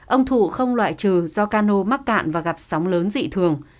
ông thủ không loại trừ do cano mắc cạn và gặp sóng lớn dị thường